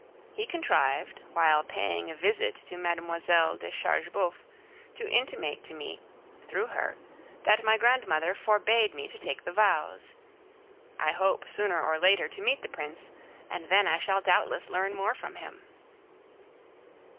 He contrived, while paying a visit to Mlle. de Chargeboeuf, to intimate to me, through her, that my grandmother forbade me to take the vows. I hope, sooner or later, to meet the Prince, and then I shall doubtless learn more from him.